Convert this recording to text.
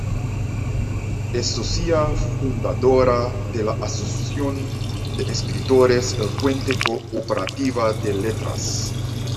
Es socia fundadora de la Asociación de escritores El Puente Cooperativa de Letras.